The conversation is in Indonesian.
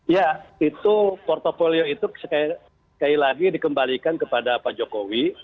ya itu portfolio itu sekali lagi dikembalikan kepada pak jokowi